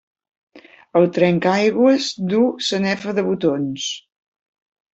El trencaaigües duu sanefa de botons.